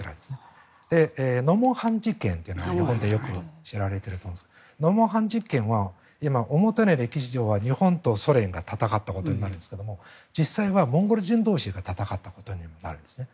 ノモンハン事件というのが日本でよく知られていると思いますがノモンハン事件は今、歴史上は日本とソ連が戦ったことになるんですが実際はモンゴル人同士が戦ったことにもなるんですね。